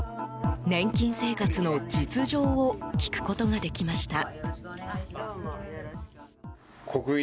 年金生活の実情を聞くことができました。